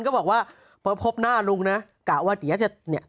กินรอด้วยนะนานหลายประทีนะ